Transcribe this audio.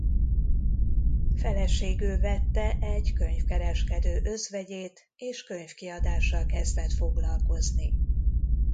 Feleségül vette egy könyvkereskedő özvegyét és könyvkiadással kezdett foglalkozni.